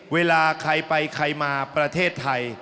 เวลาใครไปใครมาประเทศไทย